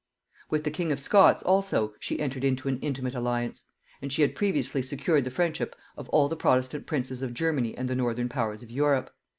With the king of Scots also she entered into an intimate alliance; and she had previously secured the friendship of all the protestant princes of Germany and the northern powers of Europe.